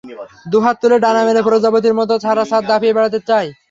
দুহাত তুলে ডানা মেলা প্রজাপ্রতির মতো সারা ছাদ দাপিয়ে বেড়াতে চায়।